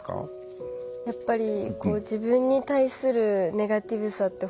やっぱり自分に対するネガティブさって